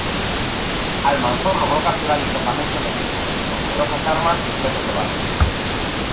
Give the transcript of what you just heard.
Almanzor logró capturar el campamento enemigo, con numerosas armas y objetos de valor.